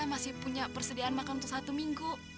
tapi kita masih punya persediaan makan untuk satu minggu